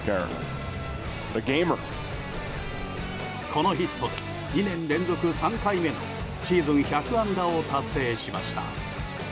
このヒットで２年連続３回目のシーズン１００安打を達成しました。